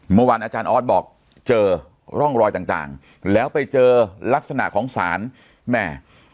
เมื่อวานอาจารย์ออสบอกเจอร่องรอยต่างแล้วไปเจอลักษณะของสารแม่